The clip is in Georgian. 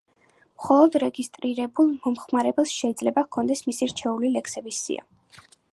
მხოლოდ რეგისტრირებულ მომხმარებელს შეიძლება ჰქონდეს მისი რჩეული ლექსების სია.